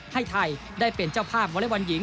ให้ไทยได้เป็นเจ้าภาพวอเล็กบอลหญิง